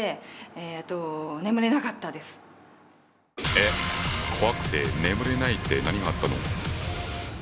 えっ？怖くて眠れないって何があったの？